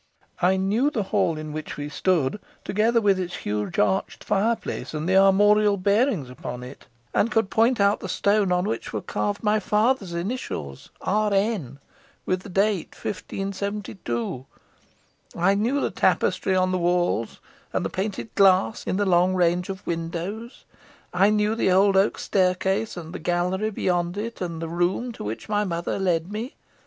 I knew the hall in which we stood together, with its huge arched fireplace, and the armorial bearings upon it, and could point out the stone on which were carved my father's initials 'R.N.,' with the date '1572.' I knew the tapestry on the walls, and the painted glass in the long range windows. I knew the old oak staircase, and the gallery beyond it, and the room to which my mother led me.